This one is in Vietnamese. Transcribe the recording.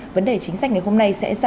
vấn đề chính sách ngày hôm nay sẽ giải